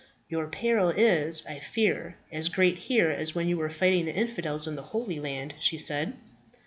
"Your peril is, I fear, as great here as when you were fighting the infidels in the Holy Land," she said.